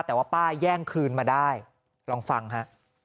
แต่ว่าป้าแย่งคืนมาได้ลองฟังฮะ